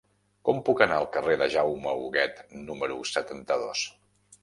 Com puc anar al carrer de Jaume Huguet número setanta-dos?